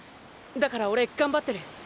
だから俺頑張ってる。